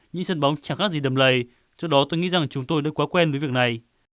những sân bóng chẳng khác gì đầm lầy do đó tôi nghĩ rằng chúng tôi đã quá quen với việc này